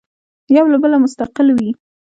یو له بله مستقل وي.